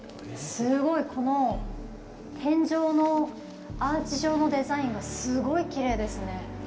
この天井のアーチ状のデザインがすごいきれいですね。